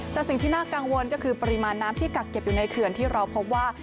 แต่สิ่งที่น่ากังวลก็คือปริมาณน้ำที่กักเก็บอยู่ในเขื่อนที่เราพบว่า